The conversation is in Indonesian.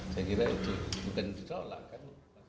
saya kira itu bukan ditolakkan